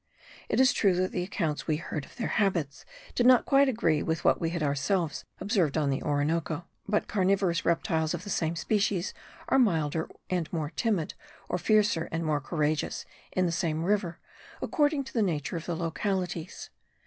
It is true that the accounts we heard of their habits did not quite agree with what we had ourselves observed on the Orinoco; but carnivorous reptiles of the same species are milder and more timid, or fiercer and more courageous, in the same river, according to the nature of the localities.